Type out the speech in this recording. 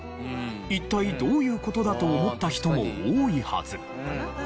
一体どういう事だ？と思った人も多いはず。